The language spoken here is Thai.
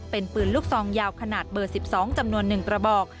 เป็นปืนลูกซองยาวขนาดเบอร์๑๒จำนวน๑กระบอก